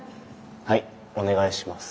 はいお願いします。